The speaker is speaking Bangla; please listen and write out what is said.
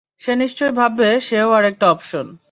সে নিশ্চয়ই ভাববে, সে-ও আরেকটা অপশন।